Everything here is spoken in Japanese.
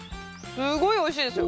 すごいおいしいですよ。